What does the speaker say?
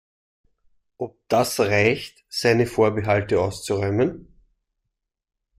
Ob das reicht, seine Vorbehalte auszuräumen?